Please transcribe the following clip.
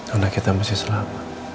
anak kita masih selamat